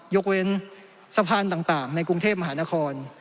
ยกเว้นสะพานต่างในกรุงเทพมหานคร